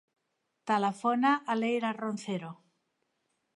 Telefona a l'Eyra Roncero.